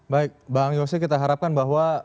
baik bang yose kita harapkan bahwa